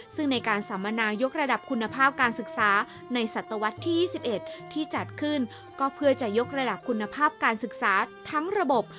ซึ่งในการสัมมนายกระดับคุณภาพการศึกษาในศตวรรษที่๒๑ที่จัดขึ้นก็เพื่อจะยกระดับคุณภาพการศึกษาทั้งระบบ